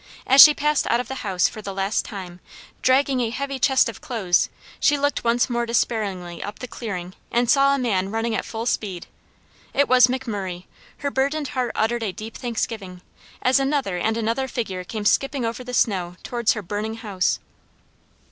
As she passed out of the house for the last time, dragging a heavy chest of clothes, she looked once more despairingly up the clearing and saw a man running at full speed. It was McMurray. Her burdened heart uttered a deep thanksgiving, as another and another figure came skipping over the snow towards her burning house.